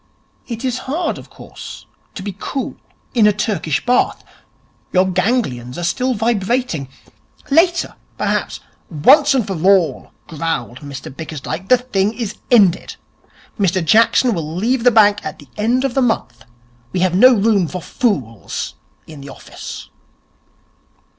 It is hard, of course, to be cool in a Turkish Bath. Your ganglions are still vibrating. Later, perhaps ' 'Once and for all,' growled Mr Bickersdyke, 'the thing is ended. Mr Jackson will leave the bank at the end of the month. We have no room for fools in the office.'